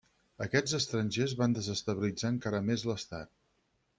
Aquests estrangers van desestabilitzar encara més l'estat.